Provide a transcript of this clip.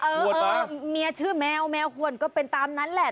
เออเมียชื่อแมวแมวหวนก็เป็นตามนั้นแหละ